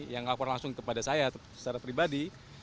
yang lapor langsung kepada saya secara pribadi